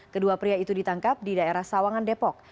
kedua pria itu ditangkap di daerah sawangan depok